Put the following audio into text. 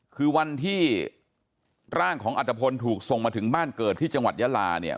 คือวันที่ร่างของอัตภพลถูกส่งมาถึงบ้านเกิดที่จังหวัดยาลาเนี่ย